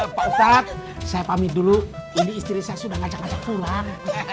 pak ustadz saya pamit dulu ini istri saya sudah ngajak ngajak pulang